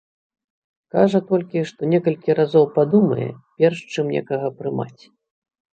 Кажа толькі, што некалькі разоў падумае, перш чым некага прымаць.